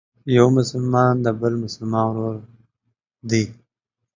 یو مسلمان د بل مسلمان ورور دی.